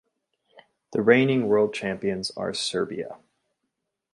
The reigning World Champions are Serbia.